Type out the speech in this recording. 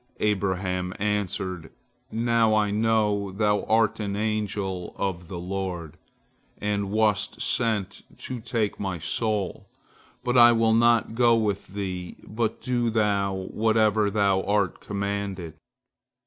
Abraham answered, "Now I know thou art an angel of the Lord, and wast sent to take my soul, but I will not go with thee, but do thou whatever thou art commanded."